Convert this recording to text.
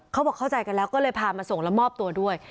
เขาบอกเข้าใจกันแล้วก็เลยพามาส่งแล้วมอบตัวด้วย